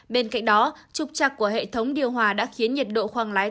bên cạnh đó trục chặt của hệ thống điều hòa đã khiến nhiệt độ khoang lái